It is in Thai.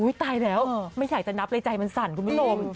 ตายแล้วไม่อยากจะนับเลยใจมันสั่นคุณผู้ชม